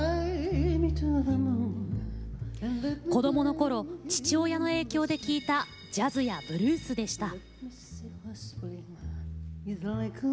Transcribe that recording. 子どもの頃父親の影響で聴いたジャズやブルースでした。